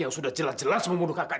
yang sudah jelas jelas memudahkan